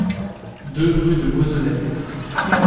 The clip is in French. deux rue de Loiselet